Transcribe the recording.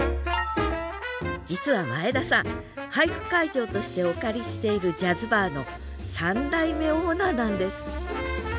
実は前田さん俳句会場としてお借りしているジャズバーの３代目オーナーなんです